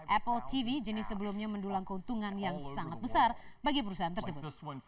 apple tv jenis sebelumnya mendulang keuntungan yang sangat besar bagi perusahaan tersebut